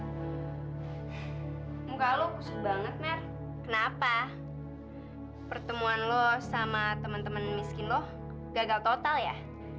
muka lo kusut banget mer kenapa pertemuan lo sama temen temen miskin lo gagal total ya